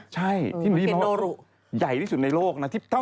ใช่ที่หนุ่มได้ยินมาว่าใหญ่ที่สุดในโลกนะ